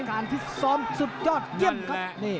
การฟิศซ้อมสุดยอดเยี่ยมครับ